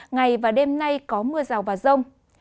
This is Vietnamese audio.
ngày và đêm nay có mưa rào và rông